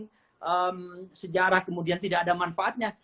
kemudian sejarah kemudian tidak ada manfaatnya